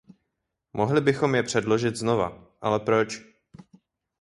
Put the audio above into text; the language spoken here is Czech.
Mohli bychom je předložit znova, ale proč?